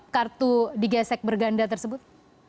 kartu digesek berganda tersebut